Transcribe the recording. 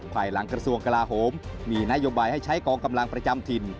ภายหลังกระทรวงกลาโหมมีนโยบายให้ใช้กองกำลังประจำถิ่น